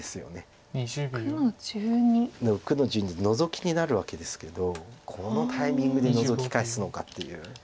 ６の十二ノゾキになるわけですけどこのタイミングでノゾキ返すのかっていう。